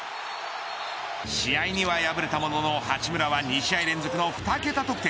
試合には敗れたものの八村は２試合連続の２桁得点。